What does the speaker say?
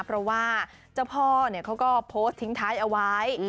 เพราะว่าเจ้าพ่อเขาก็โพสต์ทิ้งท้ายเอาไว้